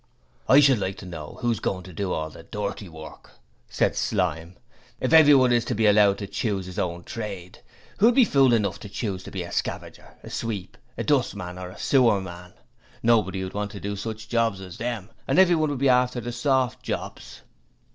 'I should like to know who's goin' to do all the dirty work?' said Slyme. 'If everyone is to be allowed to choose 'is own trade, who'd be fool enough to choose to be a scavenger, a sweep, a dustman or a sewer man? nobody wouldn't want to do such jobs as them and everyone would be after the soft jobs.'